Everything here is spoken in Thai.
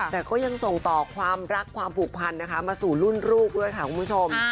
แต่ก็ยังส่งต่อความรักความผูกพันนะคะมาสู่รุ่นลูกด้วยค่ะคุณผู้ชม